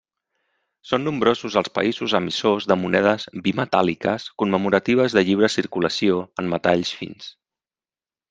Són nombrosos els països emissors de monedes bimetàl·liques commemoratives de lliure circulació en metalls fins.